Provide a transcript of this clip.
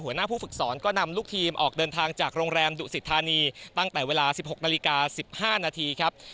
หัวหน้าผู้ฝึกสอนก็นำลูกทีมออกเดินทางจากโรงแรมดุสิทธานีตั้งแต่เวลา๑๖นาฬิกา๑๕นาทีครับ